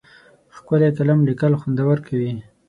ښکلی قلم لیکل خوندور کوي.